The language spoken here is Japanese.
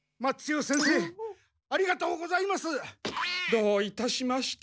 どういたしまして。